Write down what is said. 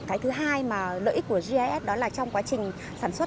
cái thứ hai mà lợi ích của gis đó là trong quá trình sản xuất